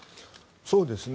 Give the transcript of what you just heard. そうですね。